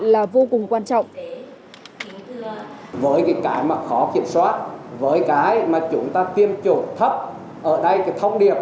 là vô cùng quan trọng